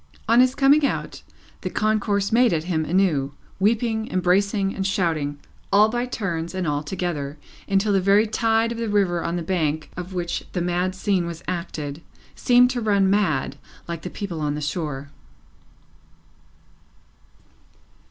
On his coming out, the concourse made at him anew, weeping, embracing, and shouting, all by turns and all together, until the very tide of the river on the bank of which the mad scene was acted, seemed to run mad, like the people on the shore.